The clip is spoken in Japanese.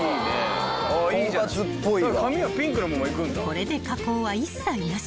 ［これで加工は一切なし］